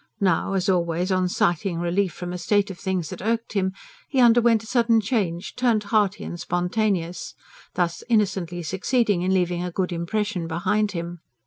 Now as always on sighting relief from a state of things that irked him he underwent a sudden change, turned hearty and spontaneous, thus innocently succeeding in leaving a good impression behind him.